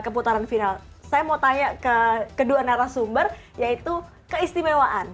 saya mau tanya ke kedua narasumber yaitu keistimewaan